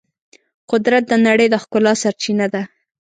قدرت د نړۍ د ښکلا سرچینه ده.